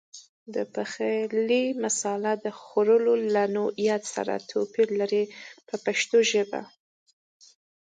د پخلي مساله د خوړو له نوعیت سره توپیر لري په پښتو ژبه.